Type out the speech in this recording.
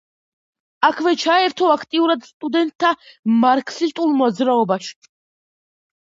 აქვე ჩაერთო აქტიურად სტუდენტთა მარქსისტულ მოძრაობაში.